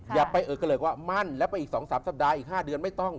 อย่าไปเอิกกันเลยกว่ามั่นแล้วไปอีก๒๓สัปดาห์อีก๕เดือนไม่ต้อง